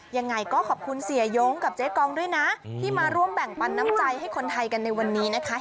ยังไงก็ขอบคุณเสียย้งกับเจ๊กองด้วยนะที่มาร่วมแบ่งปันน้ำใจให้คนไทยกันในวันนี้นะคะ